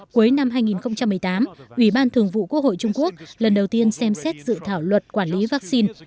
cuối năm hai nghìn một mươi tám ủy ban thường vụ quốc hội trung quốc lần đầu tiên xem xét dự thảo luật quản lý vaccine